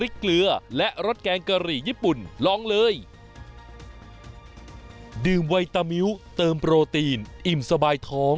ดื่มไวตามิ้วเติมโปรตีนอิ่มสบายท้อง